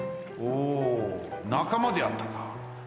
おおなかまであったか。